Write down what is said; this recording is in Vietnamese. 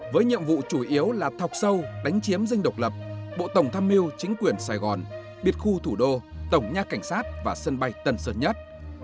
với nhiệm vụ chủ yếu là thọc sâu đánh chiếm dinh độc lập bộ tổng tham mưu chính quyền sài gòn biệt khu thủ đô tổng nha cảnh sát và sân bay tân sơn nhất